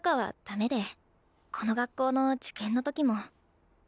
この学校の受験の時も。